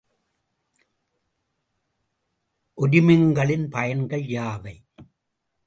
ஒரிமங்களின் பயன்கள் யாவை?